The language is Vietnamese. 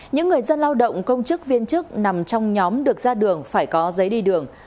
những người dân lao động công chức viên chức nằm trong nhóm được ra đường phải có giấy đi đường